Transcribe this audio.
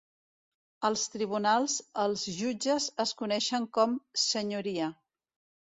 Als tribunals, els jutges es coneixen com "Senyoria".